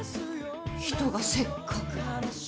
人がせっかく。